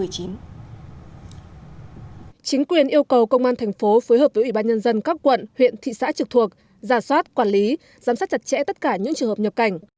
chính quyền yêu cầu công an thành phố phối hợp với ubnd các quận huyện thị xã trực thuộc giả soát quản lý giám sát chặt chẽ tất cả những trường hợp nhập cảnh